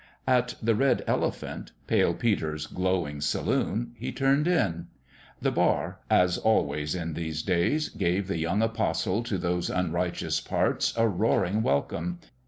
At the Red Elephant Pale Peter's glowing saloon he turned in. The 96 The MAKING of a MAN 97 bar, as always, in these days, gave the young apostle to those unrighteous parts a roaring welcome.